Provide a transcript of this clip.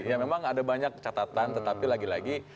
ya memang ada banyak catatan tetapi lagi lagi